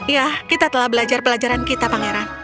ya kita telah belajar pelajaran kita pangeran